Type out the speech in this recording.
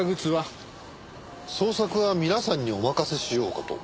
捜索は皆さんにお任せしようかと。